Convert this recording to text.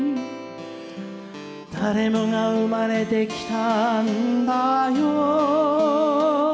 「誰もが生まれてきたんだよ」